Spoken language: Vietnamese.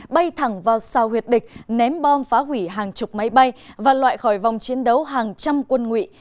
bay thẳng vào sao huyệt địch ném bom phá hủy hàng chục máy bay và loại khỏi vòng chiến đấu hàng trăm quân nguyện